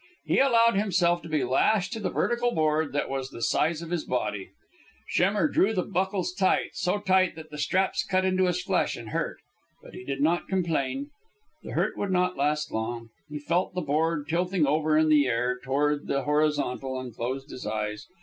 He allowed himself to be lashed to the vertical board that was the size of his body. Schemmer drew the buckles tight so tight that the straps cut into his flesh and hurt. But he did not complain. The hurt would not last long. He felt the board tilting over in the air toward the horizontal, and closed his eyes.